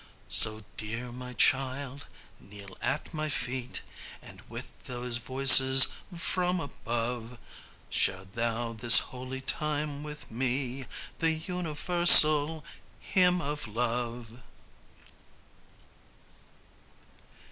So, dear my child, kneel at my feet, And with those voices from above Share thou this holy time with me, The universal hymn of love.